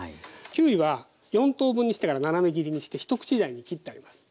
キウイは４等分にしてから斜め切りにして一口大に切ってあります。